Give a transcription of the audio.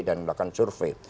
dan melakukan survei